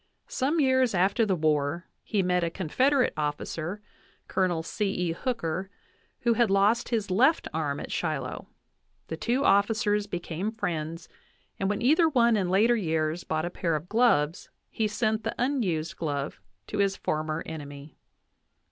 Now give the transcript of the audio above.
Some years after the war he met a Confederate officer, Col. C. E. Hooker, who had lost his left arm at Shiloh ; the two officers became friends, and when either one in later years bought a pair of gloves he sent the unused glove to his former enemy.